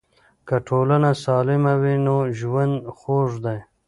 که ټولنه سالمه وي نو ژوند خوږ دی.